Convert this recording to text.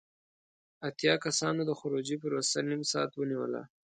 اتیا کسانو د خروجی پروسه نیم ساعت ونیوله.